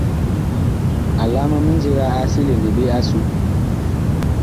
Alaam a mindiga a selene ɓe asu.